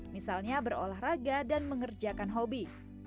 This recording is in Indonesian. misalnya berolahraga dan mengerjakan hobi